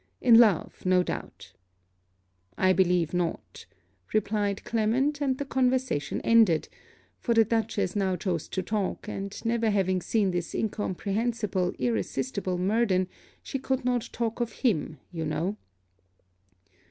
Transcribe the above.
In love, no doubt!' 'I believe not,' replied Clement; and the conversation ended: for the Dutchess now chose to talk; and, never having seen this incomprehensible irresistible Murden, she could not talk of him, you know.